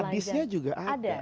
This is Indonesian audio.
hadisnya juga ada